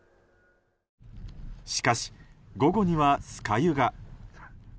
しかし午後には酸ヶ湯が。